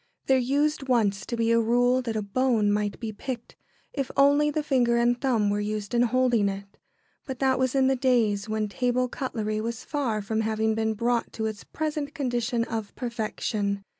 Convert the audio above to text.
There used once to be a rule that a bone might be picked, if only the finger and thumb were used in holding it. But that was in the days when table cutlery was far from having been brought to its present condition of perfection.